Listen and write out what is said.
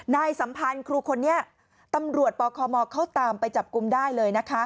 สัมพันธ์ครูคนนี้ตำรวจปคมเขาตามไปจับกลุ่มได้เลยนะคะ